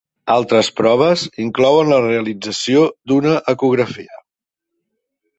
Altres proves inclouen la realització d'una ecografia.